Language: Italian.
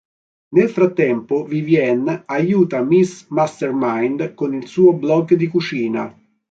Nel frattempo Vivien aiuta Miss Mastermind con il suo blog di cucina.